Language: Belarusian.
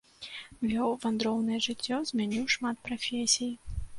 Вёў вандроўнае жыццё, змяніў шмат прафесій.